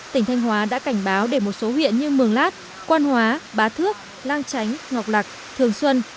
tỉnh thanh hóa đã cảnh báo để một số huyện như mường lát quan hóa bá thước lang chánh ngọc lạc thường xuân